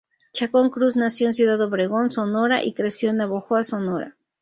Chacón Cruz nació en Ciudad Obregón, Sonora, y creció en Navojoa, Sonora.